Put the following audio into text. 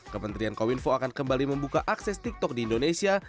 kementerian kominfo akan kembali membuka akses tiktok di indonesia